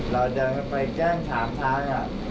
เราเดินไปแก้งถามทางอ่ะ